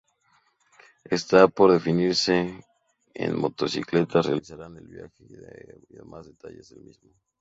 Está por definirse en que motocicletas realizarán el viaje y demás detalles del mismo.